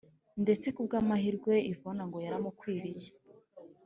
ndetse kubw’amahirwe ivona ngo yaramukwiriye.